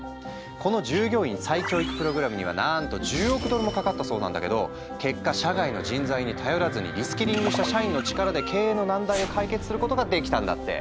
この従業員再教育プログラムにはなんと１０億ドルもかかったそうなんだけど結果社外の人材に頼らずにリスキリングした社員の力で経営の難題を解決することができたんだって。